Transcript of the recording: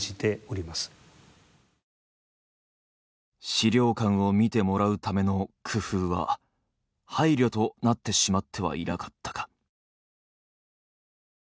資料館を見てもらうための工夫は配慮となってしまってはいなかったか。